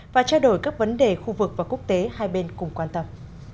và trao đổi các vấn đề khu vực và quốc tế hai bên cùng quan tâm